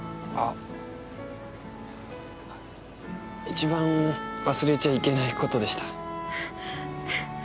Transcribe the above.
一番忘れちゃいけない事でした。